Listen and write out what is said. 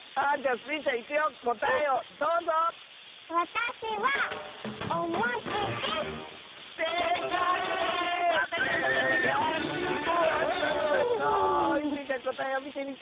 スイちゃんこたえをみてみて。